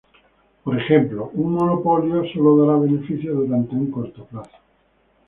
Por ejemplo, un monopolio sólo dará beneficios durante un corto plazo.